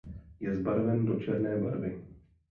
Je zbarven do černé barvy.